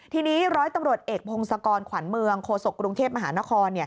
ทีนี้ร้อยตำรวจเอกพงศกรขวัญเมืองโคศกกรุงเทพมหานคร